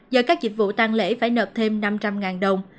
do các dịch vụ tăng lễ phải nợp thêm năm trăm linh đồng